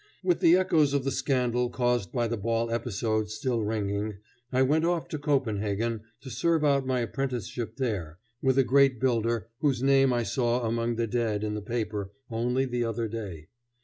With the echoes of the scandal caused by the ball episode still ringing, I went off to Copenhagen to serve out my apprenticeship there with a great builder whose name I saw among the dead in the paper only the other day.